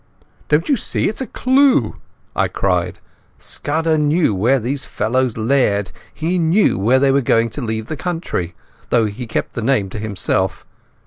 "Don't you see it's a clue," I shouted. "Scudder knew where these fellows laired—he knew where they were going to leave the country, though he kept the name to himself.